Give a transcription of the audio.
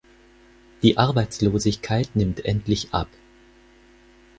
Die Arbeitslosigkeit nimmt endlich ab.